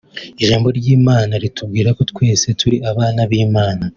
Ijambo ry’Imana ritubwira ko twese turi abana b’Imana